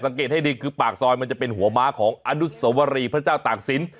สังเกตให้ดีปากซอยมันจะเป็นหัวม้าของอนุสวรรีพระเจ้าต่างศีล